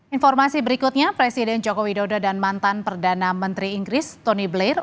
informasi berikutnya presiden joko widodo dan mantan perdana menteri inggris tony blair